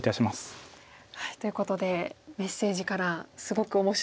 ということでメッセージからすごく面白い。